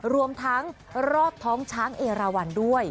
รวมทั้งรอบท้องช้างเอราวันด้วย